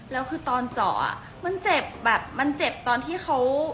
แล้วคือตอนเจาะมันเจ็บแบบมันเจ็บตอนที่เขา